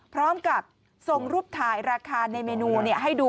พร้อมกับส่งรูปถ่ายราคาในเมนูให้ดู